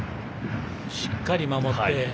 しっかり守って。